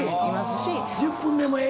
１０分でもええから。